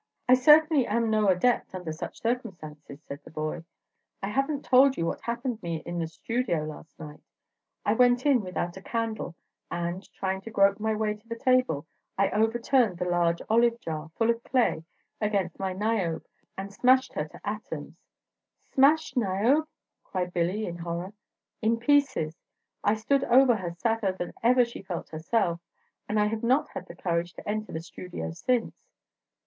"I certainly am no adept under such circumstances," said the boy. "I have n't told you what happened me in the studio last night. I went in without a candle, and, trying to grope my way to the table, I overturned the large olive jar, full of clay, against my Niobe, and smashed her to atoms." "Smashed Niobe!" cried Billy, in horror. "In pieces. I stood over her sadder than ever she felt herself, and I have not had the courage to enter the studio since."